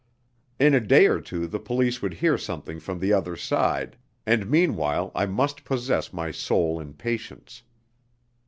In a day or two the police would hear something from the other side, and meanwhile I must possess my soul in patience.